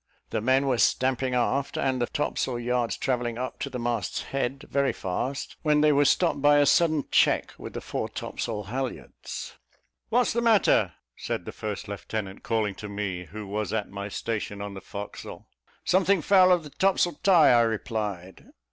The men were stamping aft, and the topsail yards travelling up to the mast head very fast, when they were stopped by a sudden check with the fore topsail haul yards. "What's the matter?" said the first lieutenant, calling to me, who was at my station on the forecastle. "Something foul of the topsail tie," I replied.